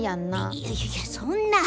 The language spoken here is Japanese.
いやいやいやそんな。